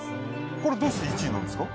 これはどうして１位なんですか？